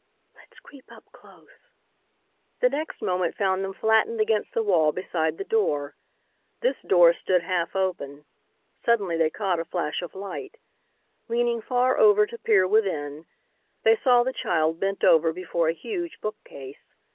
"Let's creep up close." The next moment found them flattened against the wall beside the door. This door stood half open. Suddenly they caught a flash of light. Leaning far over to peer within, they saw the child bent over before a huge bookcase.